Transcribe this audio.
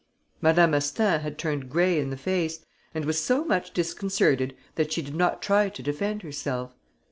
Madame Astaing had turned grey in the face and was so much disconcerted that she did not try to defend herself.